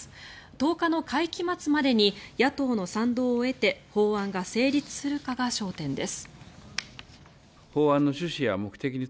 １０日の会期末までに野党の賛同を得て法案が成立するかが焦点です。